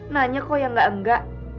nanya kok yang engga engga